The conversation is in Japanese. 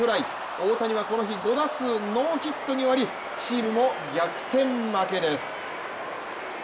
大谷はこの日、５打数ノーヒットに終わりチームも逆転負けです。